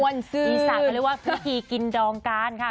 ศีรษะเขาเรียกว่าพิธีกินดองการค่ะ